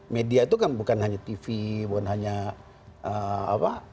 media itu kan bukan hanya tv bukan hanya apa